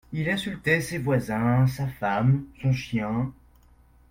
il insultait ses voisins, sa femme, son chien